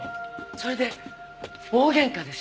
それで大喧嘩ですよ。